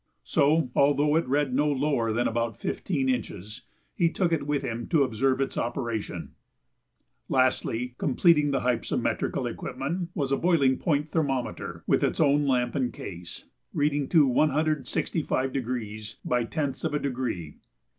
So, although it read no lower than about fifteen inches, he took it with him to observe its operation. Lastly, completing the hypsometrical equipment, was a boiling point thermometer, with its own lamp and case, reading to 165° by tenths of a degree.